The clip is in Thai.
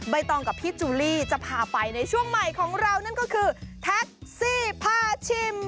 ตองกับพี่จูลี่จะพาไปในช่วงใหม่ของเรานั่นก็คือแท็กซี่พาชิม